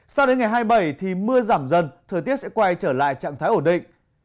sau đến ngày hai mươi bảy mưa giảm dần thời tiết sẽ quay trở lại trạng thái ổn định